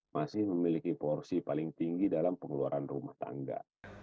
masih memiliki porsi paling tinggi dalam pengeluaran rumah tangga